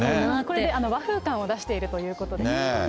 これで和風感を出しているということです。